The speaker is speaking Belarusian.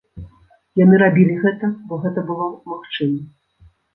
Яны рабілі гэта, бо гэта было магчыма.